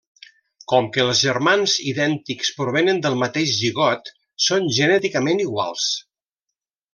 Com que els germans idèntics provenen del mateix zigot, són genèticament iguals.